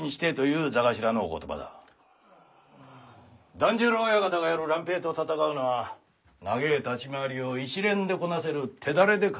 團十郎親方がやる蘭平と闘うのは長え立ち回りを一連でこなせる手だれで固めたい。